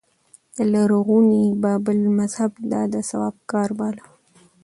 د لرغوني بابل مذهب دا د ثواب کار باله